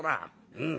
うん。